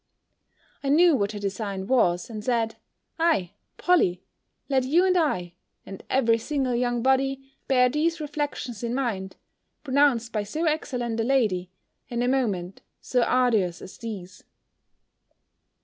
I knew what her design was, and said, "Aye, Polly, let you and I, and every single young body, bear these reflections in mind, pronounced by so excellent a lady, in a moment so arduous as these!"